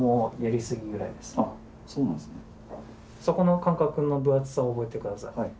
そこの感覚の分厚さを覚えて下さい。